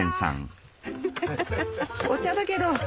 お茶だけど。